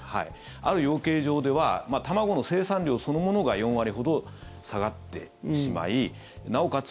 ある養鶏場では卵の生産量そのものが４割ほど下がってしまいなおかつ